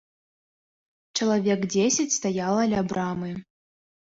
Чалавек дзесяць стаяла ля брамы.